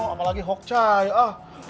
apalagi hokcah ya